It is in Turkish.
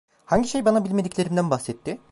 Hangi şey bana bilmediklerimden bahsetti?